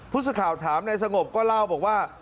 พุศข่าวถามนายสงบก็เล่าบอกว่า